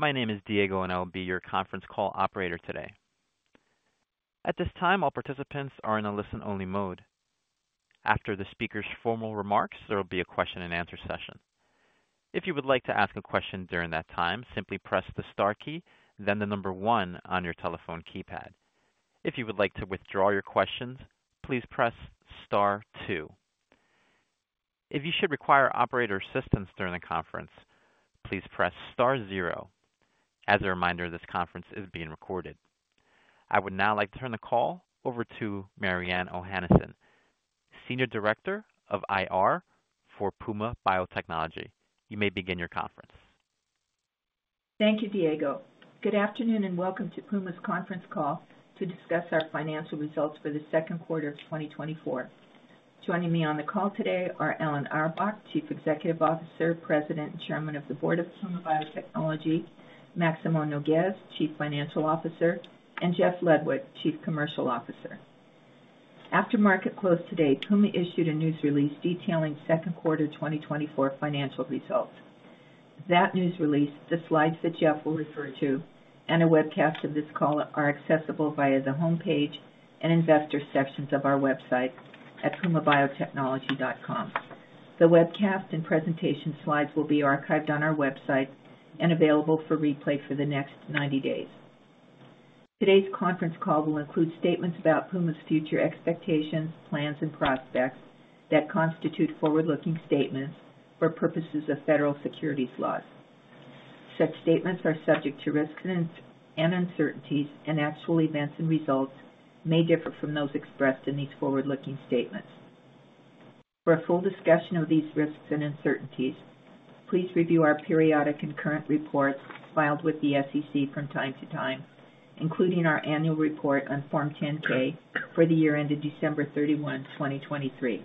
My name is Diego, and I will be your conference call operator today. At this time, all participants are in a listen-only mode. After the speaker's formal remarks, there will be a question-and-answer session. If you would like to ask a question during that time, simply press the star key, then the number one on your telephone keypad. If you would like to withdraw your questions, please press star two. If you should require operator assistance during the conference, please press star zero. As a reminder, this conference is being recorded. I would now like to turn the call over to Mariann Ohanesian, Senior Director of IR for Puma Biotechnology. You may begin your conference. Thank you, Diego. Good afternoon and welcome to Puma's conference call to discuss our financial results for the second quarter of 2024. Joining me on the call today are Alan Auerbach, Chief Executive Officer, President and Chairman of the Board of Puma Biotechnology; Maximo Nougues, Chief Financial Officer; and Jeff Ludwig, Chief Commercial Officer. After market close today, Puma issued a news release detailing second quarter 2024 financial results. That news release, the slides that Jeff will refer to, and a webcast of this call are accessible via the homepage and investor sections of our website at pumabiotechnology.com. The webcast and presentation slides will be archived on our website and available for replay for the next 90 days. Today's conference call will include statements about Puma's future expectations, plans, and prospects that constitute forward-looking statements for purposes of federal securities laws. Such statements are subject to risks and uncertainties, and actual events and results may differ from those expressed in these forward-looking statements. For a full discussion of these risks and uncertainties, please review our periodic and current reports filed with the SEC from time to time, including our annual report on Form 10-K for the year ended December 31, 2023.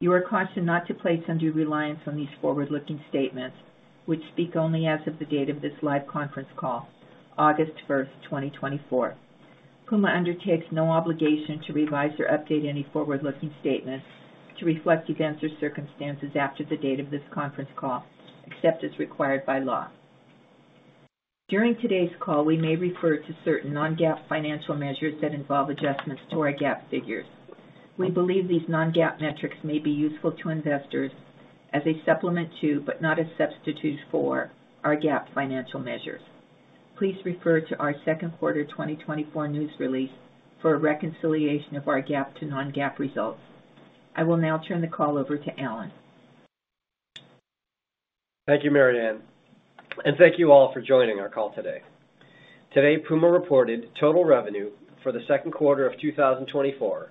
You are cautioned not to place undue reliance on these forward-looking statements, which speak only as of the date of this live conference call, August 1, 2024. Puma undertakes no obligation to revise or update any forward-looking statements to reflect events or circumstances after the date of this conference call, except as required by law. During today's call, we may refer to certain non-GAAP financial measures that involve adjustments to our GAAP figures. We believe these non-GAAP metrics may be useful to investors as a supplement to, but not a substitute for, our GAAP financial measures. Please refer to our second quarter 2024 news release for a reconciliation of our GAAP to non-GAAP results. I will now turn the call over to Alan. Thank you, Mariann, and thank you all for joining our call today. Today, Puma reported total revenue for the second quarter of 2024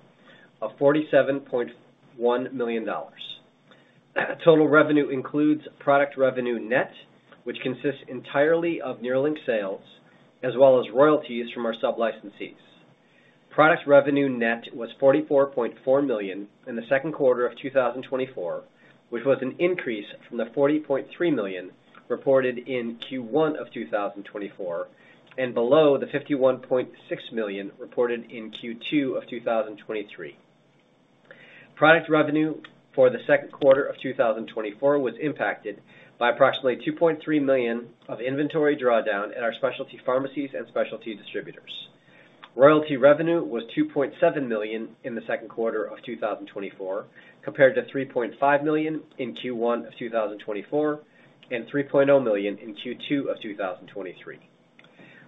of $47.1 million. Total revenue includes product revenue net, which consists entirely of NERLYNX sales, as well as royalties from our sub-licensees. Product revenue net was $44.4 million in the second quarter of 2024, which was an increase from the $40.3 million reported in Q1 of 2024 and below the $51.6 million reported in Q2 of 2023. Product revenue for the second quarter of 2024 was impacted by approximately $2.3 million of inventory drawdown at our specialty pharmacies and specialty distributors. Royalty revenue was $2.7 million in the second quarter of 2024, compared to $3.5 million in Q1 of 2024 and $3.0 million in Q2 of 2023.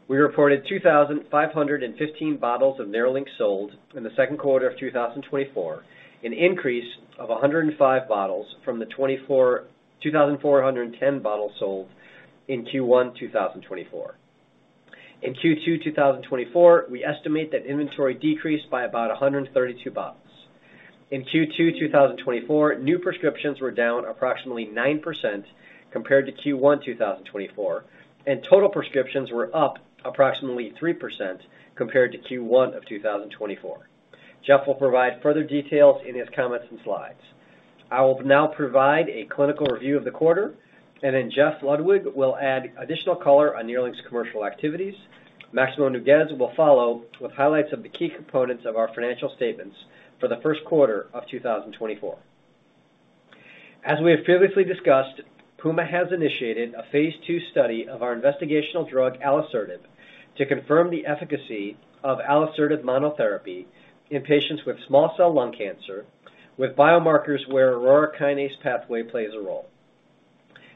We reported 2,515 bottles of NERLYNX sold in the second quarter of 2024, an increase of 105 bottles from the 2,410 bottles sold in Q1 2024. In Q2 2024, we estimate that inventory decreased by about 132 bottles. In Q2 2024, new prescriptions were down approximately 9% compared to Q1 2024, and total prescriptions were up approximately 3% compared to Q1 of 2024. Jeff will provide further details in his comments and slides. I will now provide a clinical review of the quarter, and then Jeff Ludwig will add additional color on NERLYNX's commercial activities. Maximo Nougues will follow with highlights of the key components of our financial statements for the first quarter of 2024. As we have previously discussed, Puma has initiated a phase 2 study of our investigational drug, Alisertib, to confirm the efficacy of Alisertib monotherapy in patients with small cell lung cancer, with biomarkers where aurora kinase pathway plays a role.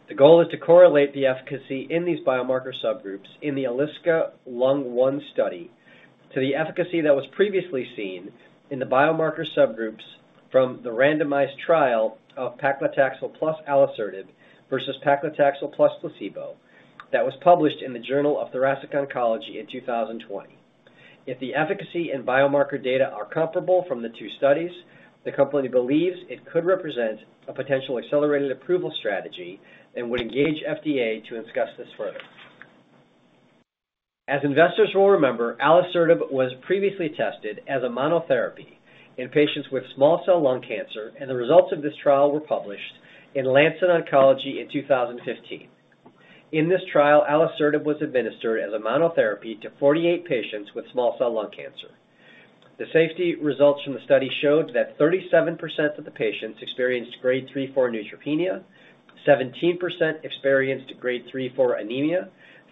The goal is to correlate the efficacy in these biomarker subgroups in the ALISCA-Lung1 study to the efficacy that was previously seen in the biomarker subgroups from the randomized trial of paclitaxel plus Alisertib versus paclitaxel plus placebo that was published in the Journal of Thoracic Oncology in 2020. If the efficacy and biomarker data are comparable from the two studies, the company believes it could represent a potential accelerated approval strategy and would engage FDA to discuss this further. As investors will remember, Alisertib was previously tested as a monotherapy in patients with small cell lung cancer, and the results of this trial were published in Lancet Oncology in 2015. In this trial, Alisertib was administered as a monotherapy to 48 patients with small cell lung cancer. The safety results from the study showed that 37% of the patients experienced grade 3/4 neutropenia, 17% experienced grade 3/4 anemia,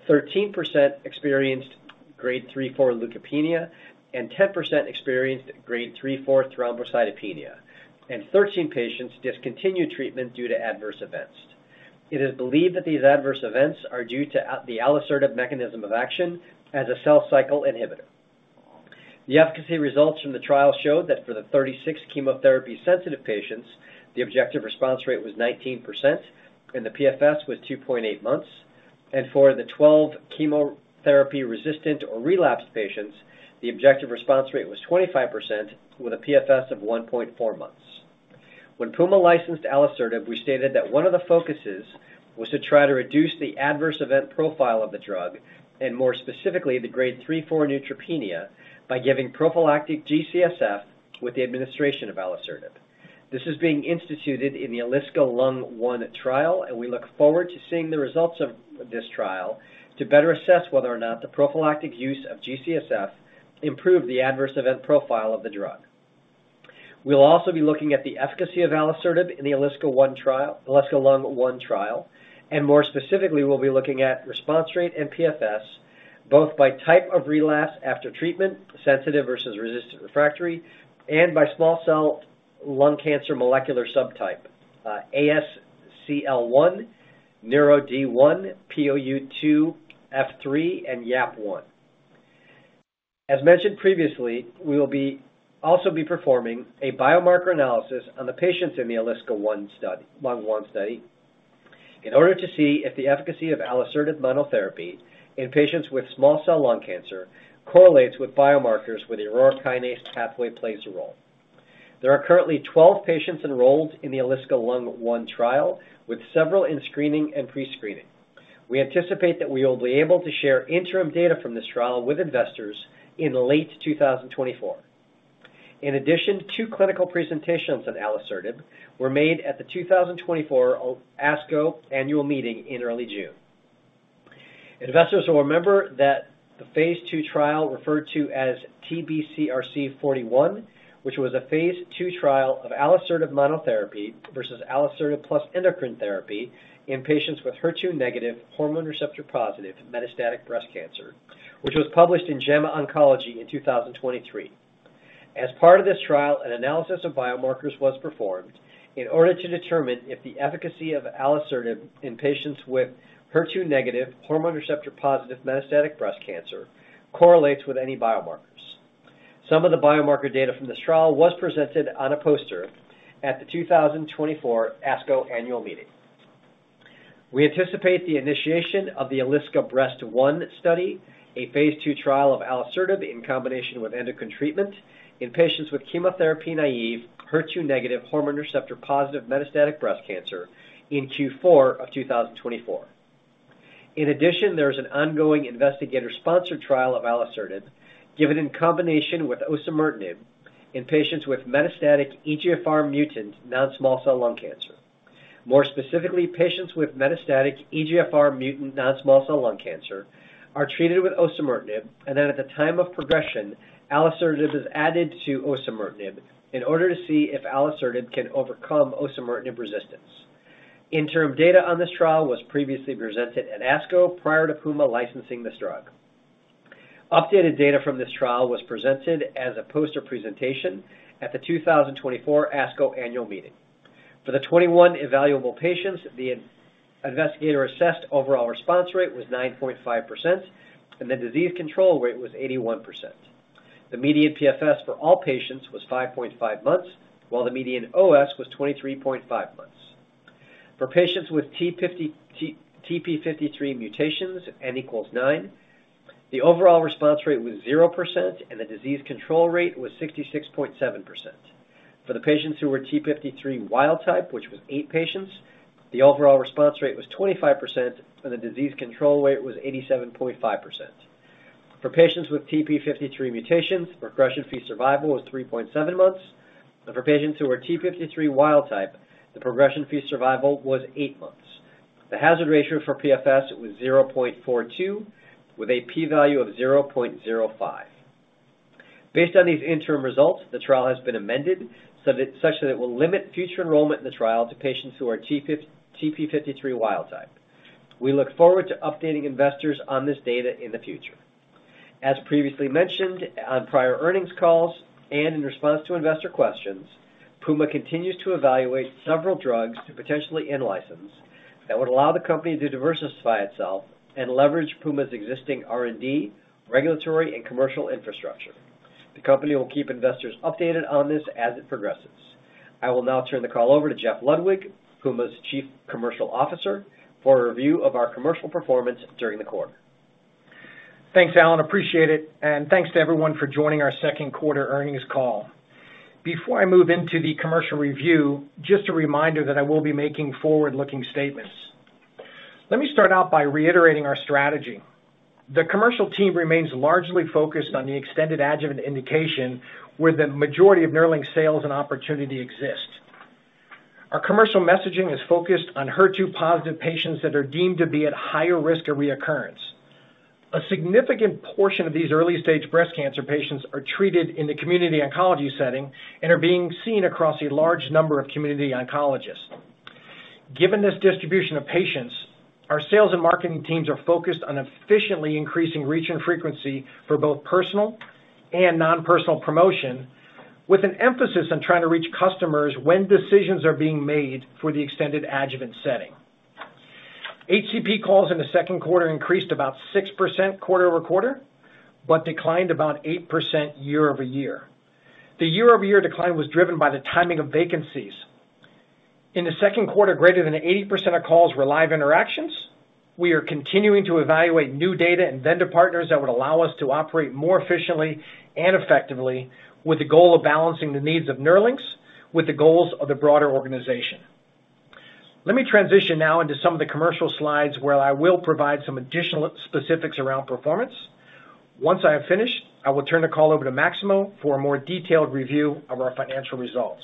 13% experienced grade 3/4 leukopenia, and 10% experienced grade 3/4 thrombocytopenia, and 13 patients discontinued treatment due to adverse events. It is believed that these adverse events are due to the Alisertib mechanism of action as a cell cycle inhibitor. The efficacy results from the trial showed that for the 36 chemotherapy-sensitive patients, the objective response rate was 19%, and the PFS was 2.8 months, and for the 12 chemotherapy-resistant or relapsed patients, the objective response rate was 25%, with a PFS of 1.4 months. When Puma licensed alisertib, we stated that one of the focuses was to try to reduce the adverse event profile of the drug, and more specifically the grade 3/4 neutropenia, by giving prophylactic G--CSF with the administration of alisertib. This is being instituted in the ALISCA-Lung1 trial, and we look forward to seeing the results of this trial to better assess whether or not the prophylactic use of G-CSF improved the adverse event profile of the drug. We'll also be looking at the efficacy of alisertib in the ALISCA-Lung1 trial, and more specifically, we'll be looking at response rate and PFS, both by type of relapse after treatment, sensitive versus resistant refractory, and by small cell lung cancer molecular subtype: ASCL1, NeuroD1, POU2F3, and YAP1. As mentioned previously, we will also be performing a biomarker analysis on the patients in the Alisertib-Lung-1 study in order to see if the efficacy of alisertib monotherapy in patients with small cell lung cancer correlates with biomarkers with aurora kinase pathway plays a role. There are currently 12 patients enrolled in the Alisertib-Lung-1 trial, with several in screening and pre-screening. We anticipate that we will be able to share interim data from this trial with investors in late 2024. In addition, two clinical presentations on alisertib were made at the 2024 ASCO annual meeting in early June. Investors will remember that the phase two trial referred to as TBCRC41, which was a phase two trial of alisertib monotherapy versus alisertib plus endocrine therapy in patients with HER2-negative, hormone receptor-positive, metastatic breast cancer, which was published in JAMA Oncology in 2023. As part of this trial, an analysis of biomarkers was performed in order to determine if the efficacy of Alisertib in patients with HER2-negative, hormone receptor-positive, metastatic breast cancer correlates with any biomarkers. Some of the biomarker data from this trial was presented on a poster at the 2024 ASCO annual meeting. We anticipate the initiation of the Alisertib-Breast-1 study, a phase II trial of Alisertib in combination with endocrine treatment in patients with chemotherapy-naive, HER2-negative, hormone receptor-positive, metastatic breast cancer in Q4 of 2024. In addition, there is an ongoing investigator-sponsored trial of Alisertib given in combination with osimertinib in patients with metastatic EGFR-mutant non-small cell lung cancer. More specifically, patients with metastatic EGFR-mutant non-small cell lung cancer are treated with osimertinib, and then at the time of progression, Alisertib is added to osimertinib in order to see if Alisertib can overcome osimertinib resistance. Interim data on this trial was previously presented at ASCO prior to Puma licensing this drug. Updated data from this trial was presented as a poster presentation at the 2024 ASCO annual meeting. For the 21 evaluable patients, the investigator-assessed overall response rate was 9.5%, and the disease control rate was 81%. The median PFS for all patients was 5.5 months, while the median OS was 23.5 months. For patients with TP53 mutations, N = 9, the overall response rate was 0%, and the disease control rate was 66.7%. For the patients who were TP53 wild type, which was 8 patients, the overall response rate was 25%, and the disease control rate was 87.5%. For patients with TP53 mutations, progression-free survival was 3.7 months, and for patients who were TP53 wild type, the progression-free survival was 8 months. The hazard ratio for PFS was 0.42, with a p-value of 0.05. Based on these interim results, the trial has been amended such that it will limit future enrollment in the trial to patients who are TP53 wild type. We look forward to updating investors on this data in the future. As previously mentioned on prior earnings calls and in response to investor questions, Puma continues to evaluate several drugs to potentially in-license that would allow the company to diversify itself and leverage Puma's existing R&D, regulatory, and commercial infrastructure. The company will keep investors updated on this as it progresses. I will now turn the call over to Jeff Ludwig, Puma's Chief Commercial Officer, for a review of our commercial performance during the quarter. Thanks, Alan. Appreciate it. Thanks to everyone for joining our second quarter earnings call. Before I move into the commercial review, just a reminder that I will be making forward-looking statements. Let me start out by reiterating our strategy. The commercial team remains largely focused on the extended adjuvant indication where the majority of NERLYNX sales and opportunity exist. Our commercial messaging is focused on HER2-positive patients that are deemed to be at higher risk of recurrence. A significant portion of these early-stage breast cancer patients are treated in the community oncology setting and are being seen across a large number of community oncologists. Given this distribution of patients, our sales and marketing teams are focused on efficiently increasing reach and frequency for both personal and non-personal promotion, with an emphasis on trying to reach customers when decisions are being made for the extended adjuvant setting. HCP calls in the second quarter increased about 6% quarter-over-quarter, but declined about 8% year-over-year. The year-over-year decline was driven by the timing of vacancies. In the second quarter, greater than 80% of calls were live interactions. We are continuing to evaluate new data and vendor partners that would allow us to operate more efficiently and effectively, with the goal of balancing the needs of NERLYNX with the goals of the broader organization. Let me transition now into some of the commercial slides, where I will provide some additional specifics around performance. Once I have finished, I will turn the call over to Maximo for a more detailed review of our financial results.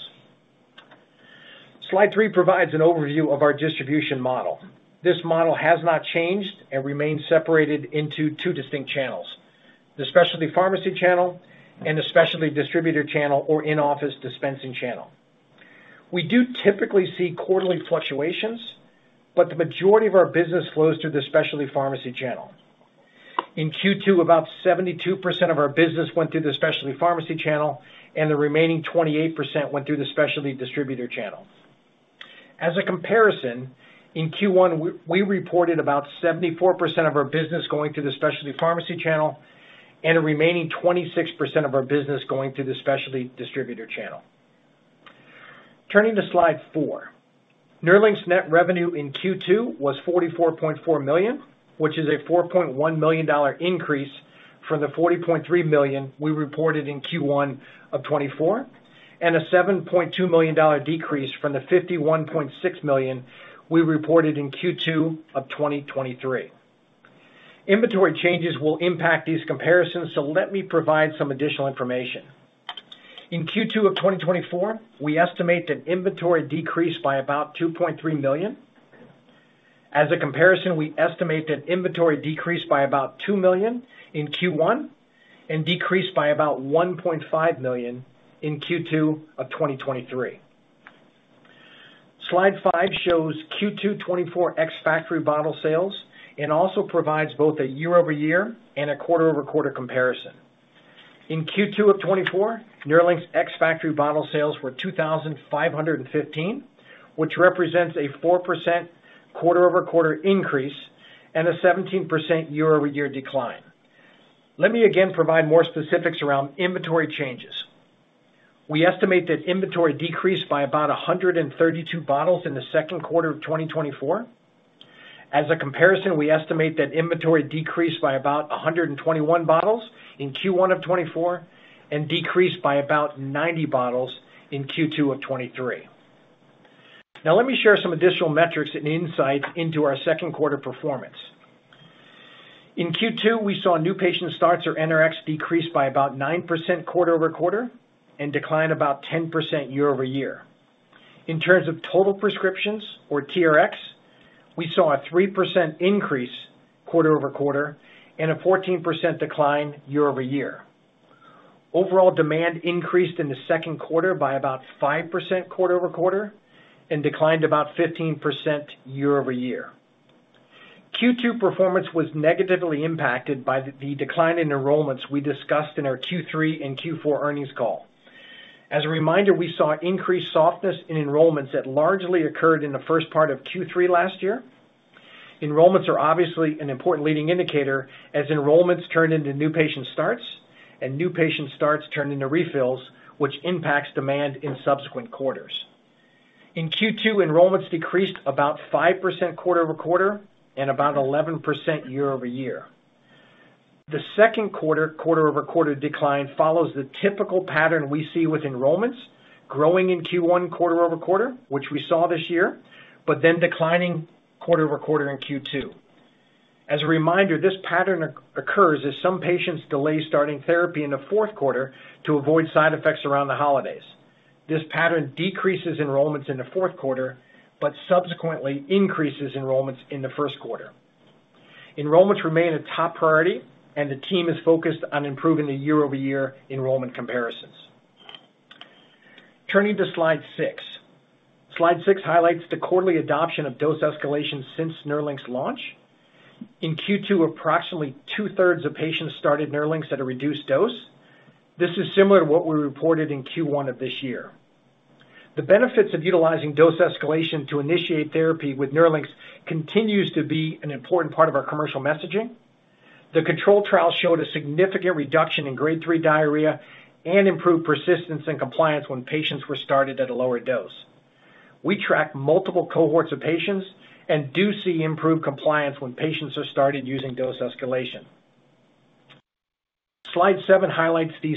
Slide 3 provides an overview of our distribution model. This model has not changed and remains separated into two distinct channels: the specialty pharmacy channel and the specialty distributor channel or in-office dispensing channel. We do typically see quarterly fluctuations, but the majority of our business flows through the specialty pharmacy channel. In Q2, about 72% of our business went through the specialty pharmacy channel, and the remaining 28% went through the specialty distributor channel. As a comparison, in Q1, we reported about 74% of our business going through the specialty pharmacy channel and a remaining 26% of our business going through the specialty distributor channel. Turning to slide four, NERLYNX's net revenue in Q2 was $44.4 million, which is a $4.1 million increase from the $40.3 million we reported in Q1 of 2024, and a $7.2 million decrease from the $51.6 million we reported in Q2 of 2023. Inventory changes will impact these comparisons, so let me provide some additional information. In Q2 of 2024, we estimate that inventory decreased by about $2.3 million. As a comparison, we estimate that inventory decreased by about $2 million in Q1 and decreased by about $1.5 million in Q2 of 2023. Slide 5 shows Q2 2024 ex-factory bottle sales and also provides both a year-over-year and a quarter-over-quarter comparison. In Q2 of 2024, NERLYNX ex-factory bottle sales were 2,515, which represents a 4% quarter-over-quarter increase and a 17% year-over-year decline. Let me again provide more specifics around inventory changes. We estimate that inventory decreased by about 132 bottles in the second quarter of 2024. As a comparison, we estimate that inventory decreased by about 121 bottles in Q1 of 2024 and decreased by about 90 bottles in Q2 of 2023. Now, let me share some additional metrics and insights into our second quarter performance. In Q2, we saw new patient starts or NRX decrease by about 9% quarter-over-quarter and decline about 10% year-over-year. In terms of total prescriptions or TRX, we saw a 3% increase quarter-over-quarter and a 14% decline year-over-year. Overall demand increased in the second quarter by about 5% quarter-over-quarter and declined about 15% year-over-year. Q2 performance was negatively impacted by the decline in enrollments we discussed in our Q3 and Q4 earnings call. As a reminder, we saw increased softness in enrollments that largely occurred in the first part of Q3 last year. Enrollments are obviously an important leading indicator, as enrollments turned into new patient starts, and new patient starts turned into refills, which impacts demand in subsequent quarters. In Q2, enrollments decreased about 5% quarter-over-quarter and about 11% year-over-year. The second quarter quarter-over-quarter decline follows the typical pattern we see with enrollments growing in Q1 quarter-over-quarter, which we saw this year, but then declining quarter-over-quarter in Q2. As a reminder, this pattern occurs as some patients delay starting therapy in the fourth quarter to avoid side effects around the holidays. This pattern decreases enrollments in the fourth quarter, but subsequently increases enrollments in the first quarter. Enrollments remain a top priority, and the team is focused on improving the year-over-year enrollment comparisons. Turning to Slide 6, Slide 6 highlights the quarterly adoption of dose escalation since NERLYNX's launch. In Q2, approximately two-thirds of patients started NERLYNX at a reduced dose. This is similar to what we reported in Q1 of this year. The benefits of utilizing dose escalation to initiate therapy with NERLYNX continues to be an important part of our commercial messaging. The control trial showed a significant reduction in grade 3 diarrhea and improved persistence and compliance when patients were started at a lower dose. We track multiple cohorts of patients and do see improved compliance when patients are started using dose escalation. Slide 7 highlights the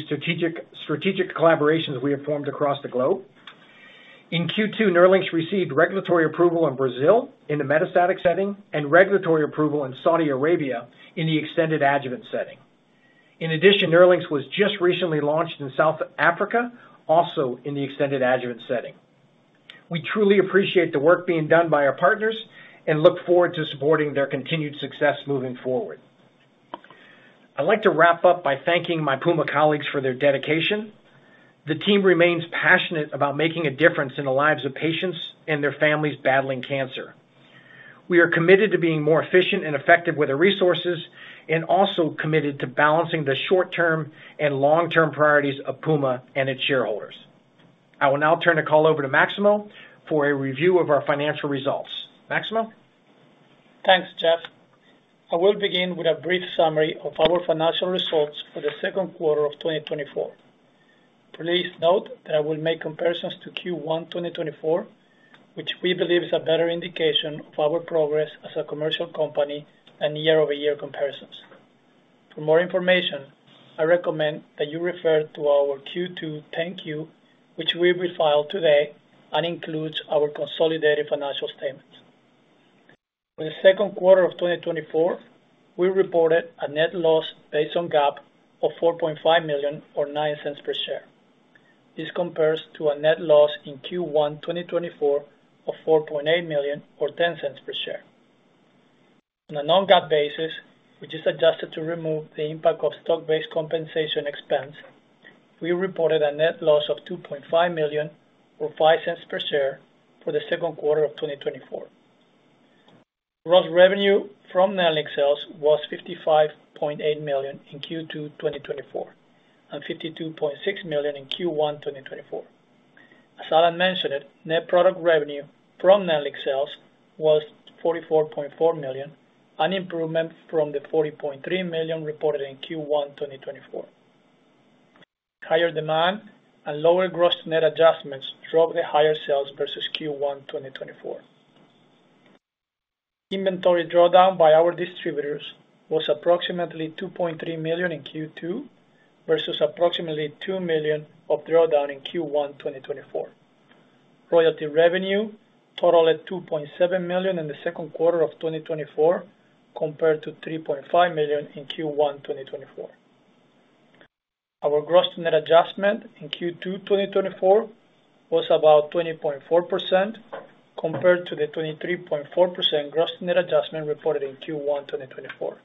strategic collaborations we have formed across the globe. In Q2, NERLYNX received regulatory approval in Brazil in the metastatic setting and regulatory approval in Saudi Arabia in the extended adjuvant setting. In addition, NERLYNX was just recently launched in South Africa, also in the extended adjuvant setting. We truly appreciate the work being done by our partners and look forward to supporting their continued success moving forward. I'd like to wrap up by thanking my Puma colleagues for their dedication. The team remains passionate about making a difference in the lives of patients and their families battling cancer. We are committed to being more efficient and effective with our resources and also committed to balancing the short-term and long-term priorities of Puma and its shareholders. I will now turn the call over to Maximo for a review of our financial results. Maximo? Thanks, Jeff. I will begin with a brief summary of our financial results for the second quarter of 2024. Please note that I will make comparisons to Q1 2024, which we believe is a better indication of our progress as a commercial company than year-over-year comparisons. For more information, I recommend that you refer to our Q2 10-Q, which we refiled today and includes our consolidated financial statements. For the second quarter of 2024, we reported a net loss based on GAAP of $4.5 million or $0.09 per share. This compares to a net loss in Q1 2024 of $4.8 million or $0.10 per share. On a non-GAAP basis, which is adjusted to remove the impact of stock-based compensation expense, we reported a net loss of $2.5 million or $0.05 per share for the second quarter of 2024. Gross revenue from NERLYNX sales was $55.8 million in Q2 2024 and $52.6 million in Q1 2024. As Alan mentioned, net product revenue from NERLYNX sales was $44.4 million, an improvement from the $40.3 million reported in Q1 2024. Higher demand and lower gross net adjustments drove the higher sales versus Q1 2024. Inventory drawdown by our distributors was approximately $2.3 million in Q2 versus approximately $2 million of drawdown in Q1 2024. Royalty revenue totaled $2.7 million in the second quarter of 2024 compared to $3.5 million in Q1 2024. Our gross net adjustment in Q2 2024 was about 20.4% compared to the 23.4% gross net adjustment reported in Q1 2024.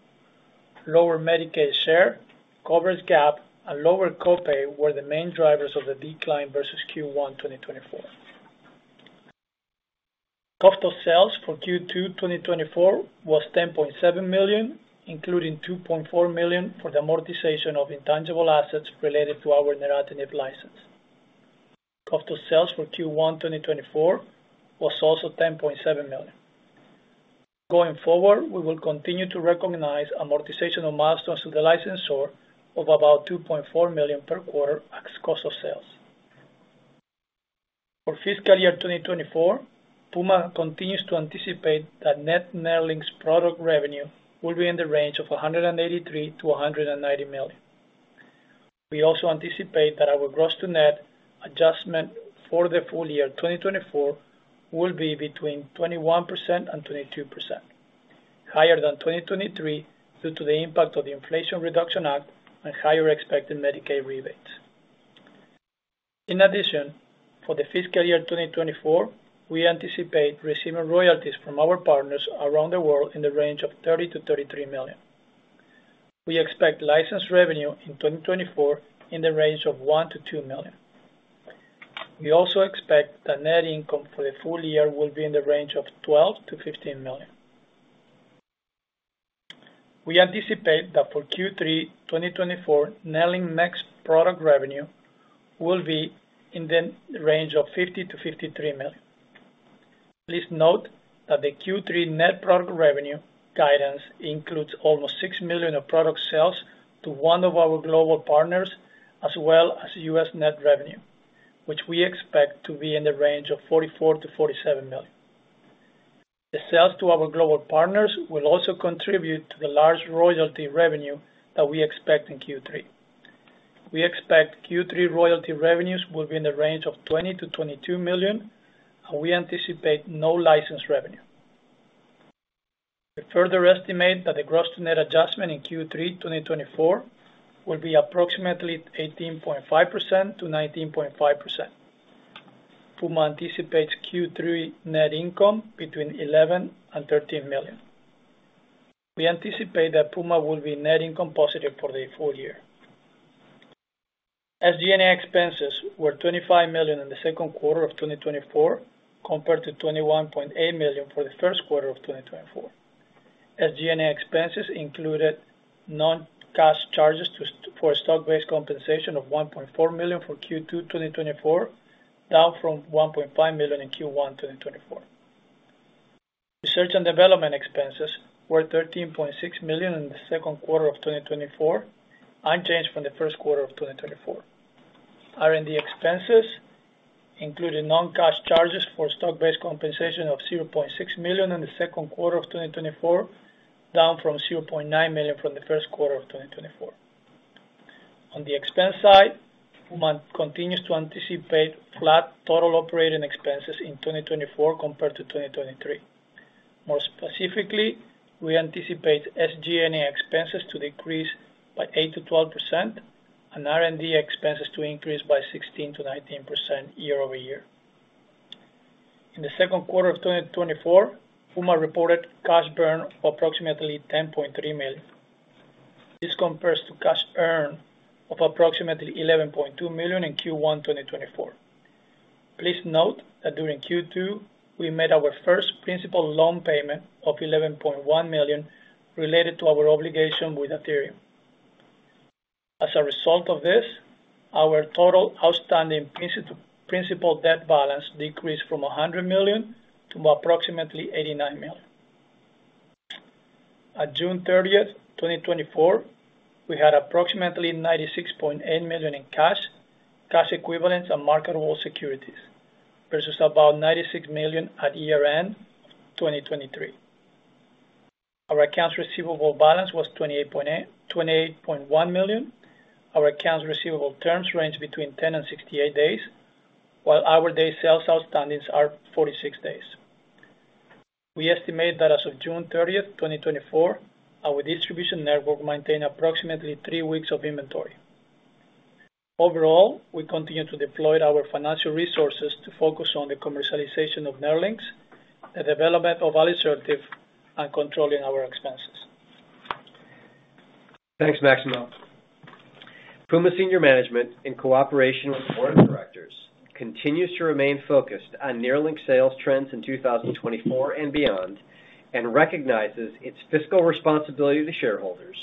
Lower Medicaid share, coverage gap, and lower copay were the main drivers of the decline versus Q1 2024. Cost of sales for Q2 2024 was $10.7 million, including $2.4 million for the amortization of intangible assets related to our NERLYNX license. Cost of sales for Q1 2024 was also $10.7 million. Going forward, we will continue to recognize amortization of milestones to the licensor of about $2.4 million per quarter at cost of sales. For fiscal year 2024, Puma continues to anticipate that net NERLYNX's product revenue will be in the range of $183 million-$190 million. We also anticipate that our gross-to-net adjustment for the full year 2024 will be between 21%-22%, higher than 2023 due to the impact of the Inflation Reduction Act and higher expected Medicaid rebates. In addition, for the fiscal year 2024, we anticipate receiving royalties from our partners around the world in the range of $30 million-$33 million. We expect license revenue in 2024 in the range of $1 million-$2 million. We also expect that net income for the full year will be in the range of $12 million-$15 million. We anticipate that for Q3 2024, NERLYNX net product revenue will be in the range of $50 million-$53 million. Please note that the Q3 net product revenue guidance includes almost $6 million of product sales to one of our global partners, as well as U.S. net revenue, which we expect to be in the range of $44 million-$47 million. The sales to our global partners will also contribute to the large royalty revenue that we expect in Q3. We expect Q3 royalty revenues will be in the range of $20 million-$22 million, and we anticipate no license revenue. We further estimate that the gross-to-net adjustment in Q3 2024 will be approximately 18.5%-19.5%. Puma anticipates Q3 net income between $11 million and $13 million. We anticipate that Puma will be net income positive for the full year. SG&A expenses were $25 million in the second quarter of 2024 compared to $21.8 million for the first quarter of 2024. SG&A expenses included non-cash charges for stock-based compensation of $1.4 million for Q2 2024, down from $1.5 million in Q1 2024. Research and development expenses were $13.6 million in the second quarter of 2024, unchanged from the first quarter of 2024. R&D expenses included non-cash charges for stock-based compensation of $0.6 million in the second quarter of 2024, down from $0.9 million from the first quarter of 2024. On the expense side, Puma continues to anticipate flat total operating expenses in 2024 compared to 2023. More specifically, we anticipate SG&A expenses to decrease by 8%-12% and R&D expenses to increase by 16%-19% year-over-year. In the second quarter of 2024, Puma reported cash burn of approximately $10.3 million. This compares to cash earned of approximately $11.2 million in Q1 2024. Please note that during Q2, we made our first principal loan payment of $11.1 million related to our obligation with Athyrium. As a result of this, our total outstanding principal debt balance decreased from $100 million to approximately $89 million. At June 30, 2024, we had approximately $96.8 million in cash, cash equivalents, and marketable securities versus about $96 million at year-end 2023. Our accounts receivable balance was $28.1 million. Our accounts receivable terms range between 10 and 68 days, while our day sales outstandings are 46 days. We estimate that as of June 30, 2024, our distribution network maintained approximately three weeks of inventory. Overall, we continue to deploy our financial resources to focus on the commercialization of NERLYNX, the development of alisertib, and controlling our expenses. Thanks, Maximo. Puma Senior Management, in cooperation with Board of Directors, continues to remain focused on NERLYNX sales trends in 2024 and beyond and recognizes its fiscal responsibility to shareholders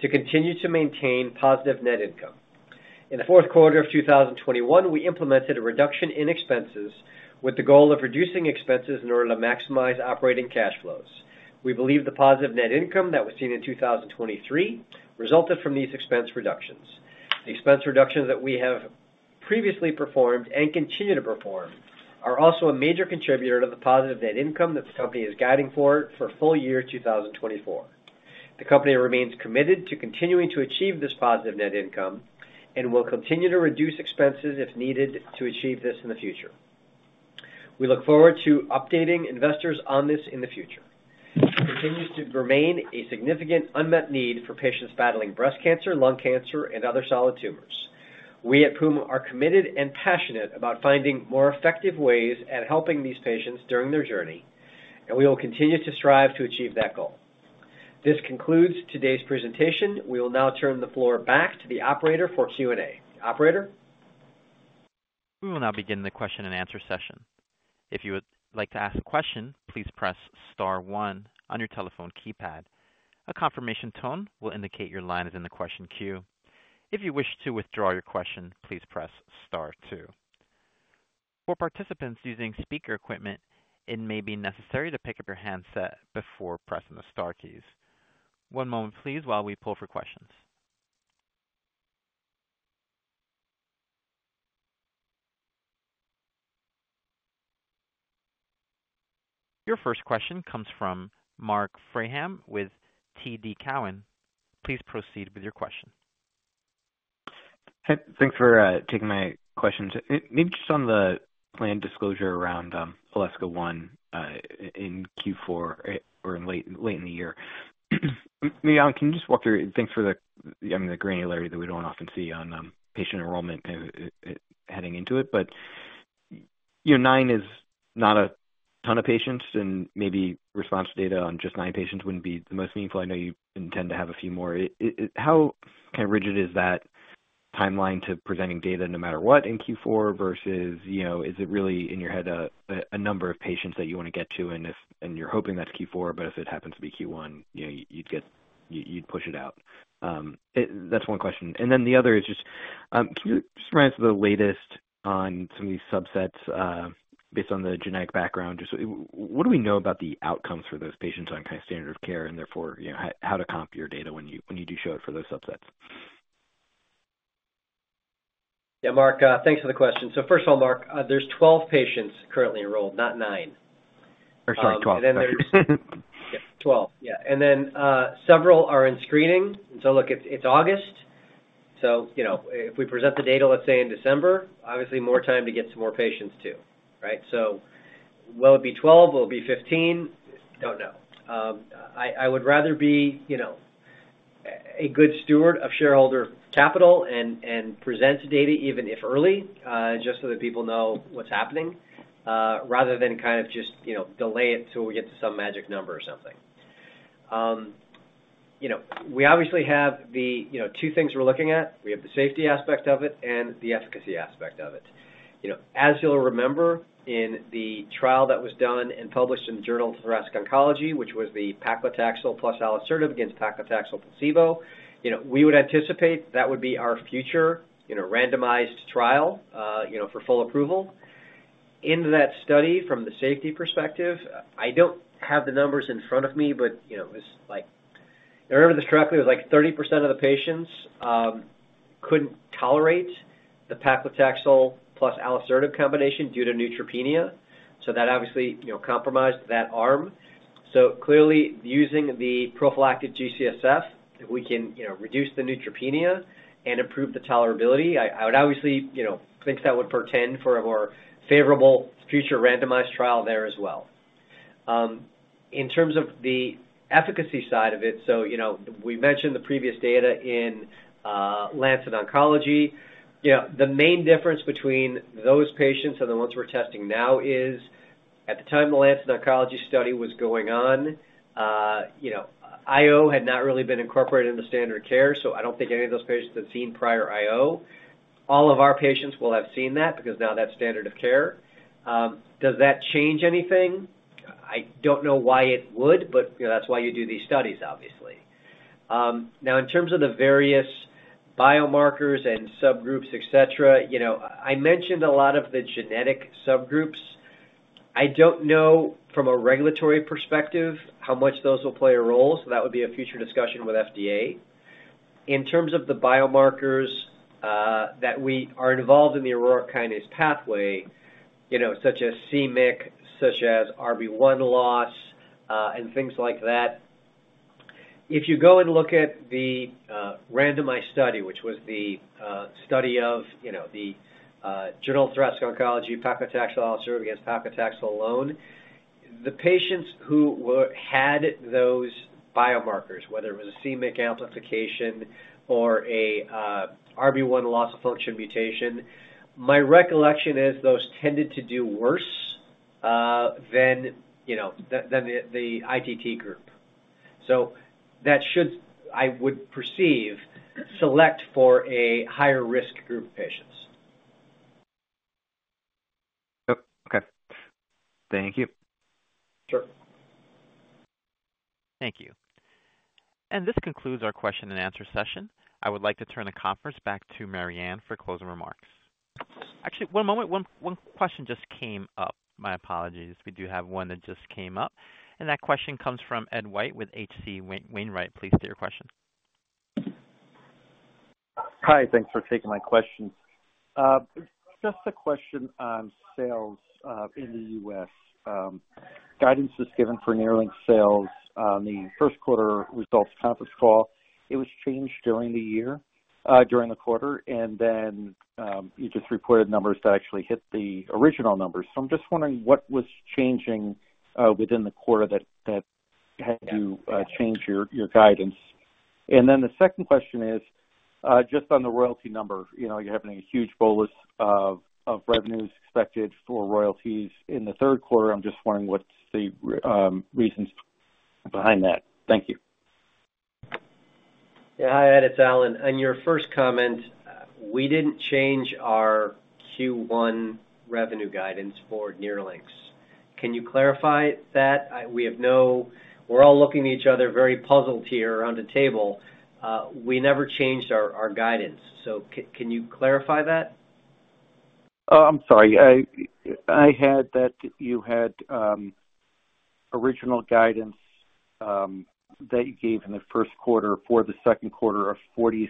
to continue to maintain positive net income. In the fourth quarter of 2021, we implemented a reduction in expenses with the goal of reducing expenses in order to maximize operating cash flows. We believe the positive net income that was seen in 2023 resulted from these expense reductions. The expense reductions that we have previously performed and continue to perform are also a major contributor to the positive net income that the company is guiding for full year 2024. The company remains committed to continuing to achieve this positive net income and will continue to reduce expenses if needed to achieve this in the future. We look forward to updating investors on this in the future. It continues to remain a significant unmet need for patients battling breast cancer, lung cancer, and other solid tumors. We at Puma are committed and passionate about finding more effective ways at helping these patients during their journey, and we will continue to strive to achieve that goal. This concludes today's presentation. We will now turn the floor back to the operator for Q&A. Operator? We will now begin the question-and-answer session. If you would like to ask a question, please press star one on your telephone keypad. A confirmation tone will indicate your line is in the question queue. If you wish to withdraw your question, please press star two. For participants using speaker equipment, it may be necessary to pick up your handset before pressing the star keys. One moment, please, while we pull for questions. Your first question comes from Marc Frahm with TD Cowen. Please proceed with your question. Hey, thanks for taking my question. Maybe just on the planned disclosure around alisertib in Q4 or late in the year. Alan, can you just walk through, thanks for the granularity that we don't often see on patient enrollment heading into it, but nine is not a ton of patients, and maybe response data on just nine patients wouldn't be the most meaningful. I know you intend to have a few more. How kind of rigid is that timeline to presenting data no matter what in Q4 versus is it really, in your head, a number of patients that you want to get to, and you're hoping that's Q4, but if it happens to be Q1, you'd push it out? That's one question. And then the other is just can you just run into the latest on some of these subsets based on the genetic background? Just what do we know about the outcomes for those patients on kind of standard of care and therefore how to comp your data when you do show it for those subsets? Yeah, Marc, thanks for the question. So first of all, Marc, there's 12 patients currently enrolled, not nine. Or sorry, 12. Yeah, 12. Yeah. And then several are in screening. And so look, it's August. So if we present the data, let's say, in December, obviously more time to get some more patients too, right? So will it be 12? Will it be 15? Don't know. I would rather be a good steward of shareholder capital and present data even if early just so that people know what's happening rather than kind of just delay it till we get to some magic number or something. We obviously have the two things we're looking at. We have the safety aspect of it and the efficacy aspect of it. As you'll remember, in the trial that was done and published in the Journal of Thoracic Oncology, which was the paclitaxel + alisertib against paclitaxel placebo, we would anticipate that would be our future randomized trial for full approval. In that study, from the safety perspective, I don't have the numbers in front of me, but remember this correctly, it was like 30% of the patients couldn't tolerate the paclitaxel plus alisertib combination due to neutropenia. So that obviously compromised that arm. So clearly, using the prophylactic G-CSF, if we can reduce the neutropenia and improve the tolerability, I would obviously think that would pertain for a more favorable future randomized trial there as well. In terms of the efficacy side of it, so we mentioned the previous data in Lancet Oncology. The main difference between those patients and the ones we're testing now is at the time the Lancet Oncology study was going on, IO had not really been incorporated into standard of care, so I don't think any of those patients had seen prior IO. All of our patients will have seen that because now that's standard of care. Does that change anything? I don't know why it would, but that's why you do these studies, obviously. Now, in terms of the various biomarkers and subgroups, etc., I mentioned a lot of the genetic subgroups. I don't know from a regulatory perspective how much those will play a role, so that would be a future discussion with FDA. In terms of the biomarkers that we are involved in the aurora kinase pathway, such as MYC, such as Rb1 loss, and things like that, if you go and look at the randomized study, which was the study of the Journal of Thoracic Oncology, paclitaxel alisertib against paclitaxel alone, the patients who had those biomarkers, whether it was a MYC amplification or an Rb1 loss of function mutation, my recollection is those tended to do worse than the ITT group. So that should, I would perceive, select for a higher risk group of patients. Okay. Thank you. Sure. Thank you. This concludes our question-and-answer session. I would like to turn the conference back to Mariann for closing remarks. Actually, one moment. One question just came up. My apologies. We do have one that just came up. That question comes from Ed White with HC Wainwright. Please state your question. Hi. Thanks for taking my question. Just a question on sales in the U.S. Guidance was given for NERLYNX sales on the first quarter results conference call. It was changed during the year, during the quarter, and then you just reported numbers that actually hit the original numbers. So I'm just wondering what was changing within the quarter that had you change your guidance. And then the second question is just on the royalty number. You're having a huge bolus of revenues expected for royalties in the third quarter. I'm just wondering what's the reasons behind that. Thank you. Yeah. Hi, Ed. It's Alan. On your first comment, we didn't change our Q1 revenue guidance for NERLYNX. Can you clarify that? We're all looking at each other very puzzled here around a table. We never changed our guidance. So can you clarify that? I'm sorry. I had that you had original guidance that you gave in the first quarter for the second quarter of $43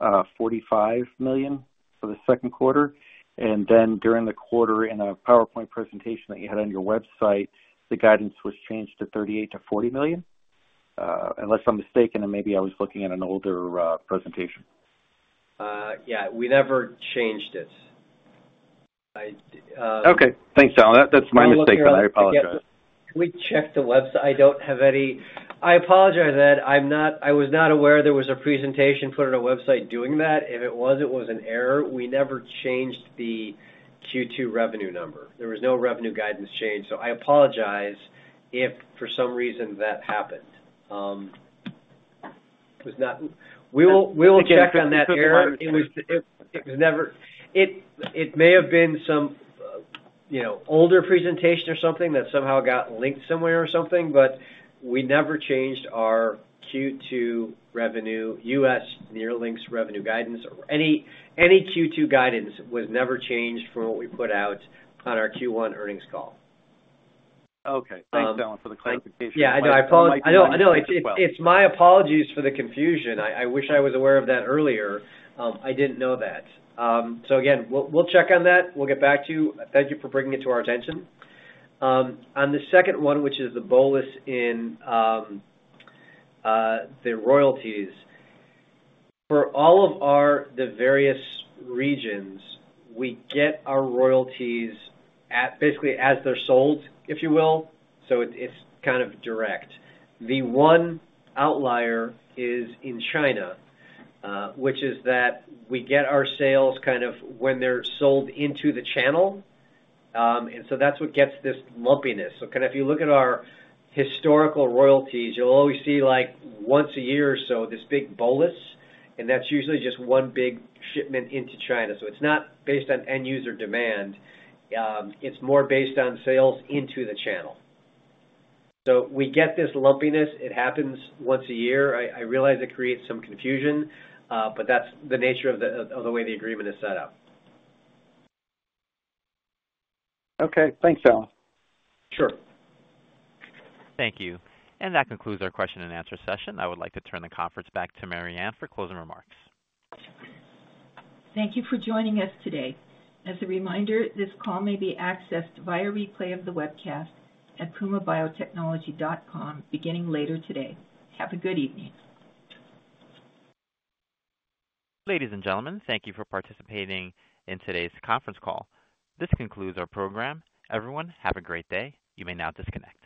million-$45 million for the second quarter. And then during the quarter in a PowerPoint presentation that you had on your website, the guidance was changed to $38 million-$40 million, unless I'm mistaken, and maybe I was looking at an older presentation. Yeah. We never changed it. Okay. Thanks, Alan. That's my mistake. I apologize. Can we check the website? I don't have any—I apologize for that. I was not aware there was a presentation put on our website doing that. If it was, it was an error. We never changed the Q2 revenue number. There was no revenue guidance change. So I apologize if for some reason that happened. We will check on that error. It may have been some older presentation or something that somehow got linked somewhere or something, but we never changed our Q2 revenue, NERLYNX's revenue guidance, or any Q2 guidance was never changed from what we put out on our Q1 earnings call. Okay. Thanks, Alan, for the clarification. Yeah. I know. I apologize. It's my apologies for the confusion. I wish I was aware of that earlier. I didn't know that. So again, we'll check on that. We'll get back to you. Thank you for bringing it to our attention. On the second one, which is the bolus in the royalties, for all of the various regions, we get our royalties basically as they're sold, if you will. So it's kind of direct. The one outlier is in China, which is that we get our sales kind of when they're sold into the channel. And so that's what gets this lumpiness. So kind of if you look at our historical royalties, you'll always see once a year or so this big bolus, and that's usually just one big shipment into China. So it's not based on end-user demand. It's more based on sales into the channel. So we get this lumpiness. It happens once a year. I realize it creates some confusion, but that's the nature of the way the agreement is set up. Okay. Thanks, Alan. Sure. Thank you. That concludes our question-and-answer session. I would like to turn the conference back to Mariann for closing remarks. Thank you for joining us today. As a reminder, this call may be accessed via replay of the webcast at pumabiotechnology.com beginning later today. Have a good evening. Ladies and gentlemen, thank you for participating in today's conference call. This concludes our program. Everyone, have a great day. You may now disconnect.